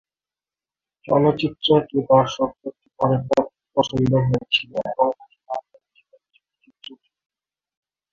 চলচ্চিত্রটি দর্শক কর্তৃক অনেক পছন্দ হয়েছিলো এবং অনেক আয় করেছিলো এই চলচ্চিত্রটি।